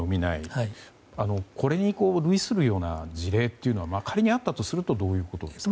これに類するような事例は仮にあったとするとどういうものですか。